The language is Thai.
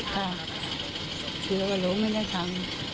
ค่ะเชื่อว่าลูกไม่ได้ทำ